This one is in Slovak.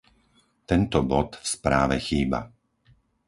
Tento bod v správe chýba.